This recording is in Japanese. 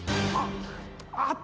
あっ！